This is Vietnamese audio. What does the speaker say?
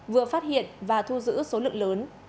vừa phát hiện và thu giữ số lượng lớn